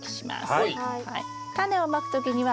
はい。